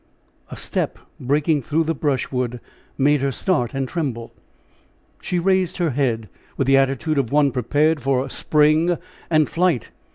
A step breaking through the brushwood made her start and tremble. She raised her head with the attitude of one prepared for a spring and flight.